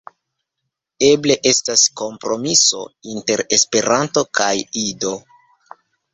Eble estas kompromiso inter Esperanto kaj Ido.